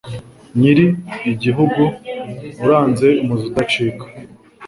Nyiri-igihugu uranze umuzi udacika,